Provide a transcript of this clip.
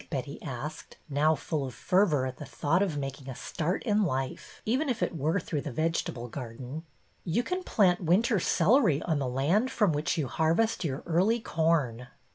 " Betty asked, now full of fervor at the thought of making a start in life, even if it were through the vegetable garden. You can plant winter celery on the land from which you harvest your early corn."